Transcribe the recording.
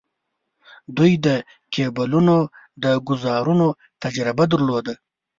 دوی د کیبلونو د ګوزارونو تجربه درلوده.